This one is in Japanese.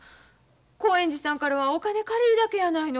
興園寺さんからはお金借りるだけやないの。